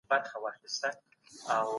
مارکس د هګل د افکارو پیروي وکړه.